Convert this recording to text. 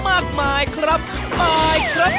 มาเยือนทินกระวีและสวัสดี